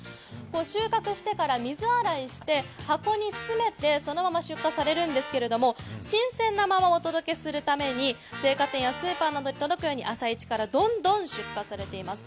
収穫してから水洗いして箱に詰めて、そのまま出荷されるんですけれども、新鮮なままお届けするために青果店やスーパーに行ったときに朝一からどんどん出荷されていきます。